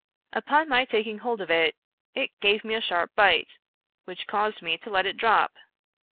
Upon my taking hold of it, it gave me a sharp bite, which caused me to let it drop.